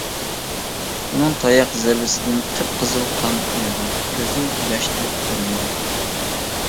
ئۇنىڭ تاياق زەربىسىدىن قىپقىزىل قان ئۇيۇغان كۆزى ياشتىن قۇرۇمىدى.